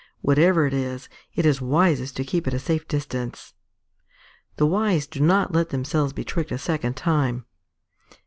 Whatever it is, it is wisest to keep at a safe distance." _The wise do not let themselves be tricked a second time.